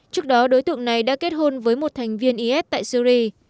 trước đó đối tượng này đã kết hôn với một thành viên is tại syri